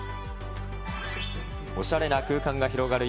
おしゃれな空間が広がる